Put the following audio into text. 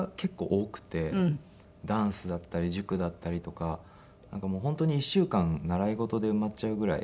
ダンスだったり塾だったりとかなんかもう本当に１週間習い事で埋まっちゃうぐらい。